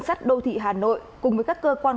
sắt đô thị hà nội cùng với các cơ quan